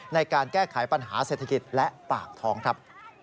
ในการแก้ไขปัญหาเศรษฐกิจและปากท้องครับ